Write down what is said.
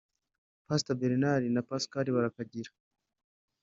Pastor Bernard na Pascal Barakagira